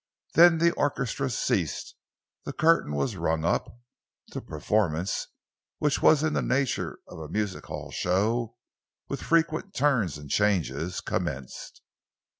Then the orchestra ceased, the curtain was rung up, the performance, which was in the nature of a music hall show, with frequent turns and changes, commenced.